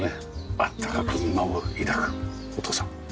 あったかく見守る抱くお父さん。